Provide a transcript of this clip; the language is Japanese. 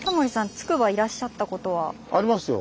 つくばいらっしゃったことは？ありますよ。